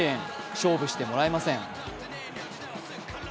勝負してもらえません。